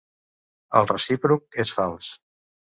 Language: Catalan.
El recíproc és fals.